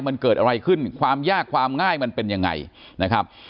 มันเกิดอะไรขึ้นความยากความง่ายมันเป็นยังไงนะครับ